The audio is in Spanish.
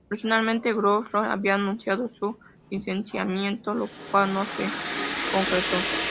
Originalmente Crunchyroll había anunciado su licenciamiento, lo cual no se concretó.